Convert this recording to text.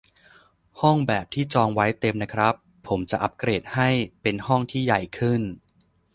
ห้องแบบที่จองไว้เต็มนะครับ ผมจะอัปเกรดให้เป็นห้องที่ใหญ่ขึ้น